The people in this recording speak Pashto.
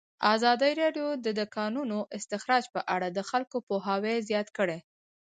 ازادي راډیو د د کانونو استخراج په اړه د خلکو پوهاوی زیات کړی.